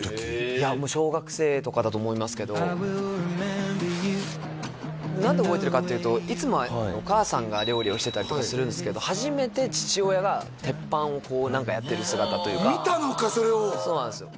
いや小学生とかだと思いますけど何で覚えてるかっていうといつもはお母さんが料理をしてたりとかするんですけど初めて父親が鉄板をこう何かやってる姿というか見たのかそれをそうなんですよ